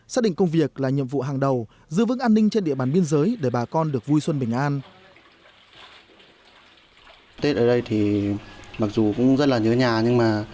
xác định công việc là nhiệm vụ hàng đầu giữ vững an ninh trên địa bàn biên giới để bà con được vui xuân bình an